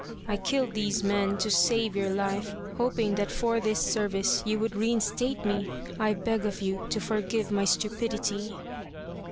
I killed these men to save your life hoping that for this service you would reinstate me. I beg of you to forgive my stupidity."